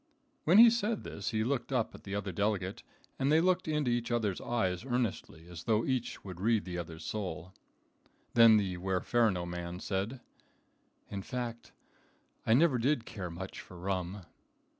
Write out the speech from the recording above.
When he said this he looked up at the other delegate, and they looked into each other's eyes earnestly, as though each would read the other's soul. Then the Huerferno man said: "In fact, I never did care much for rum."